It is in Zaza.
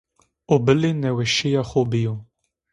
O bilî nêweşîya xo bîyo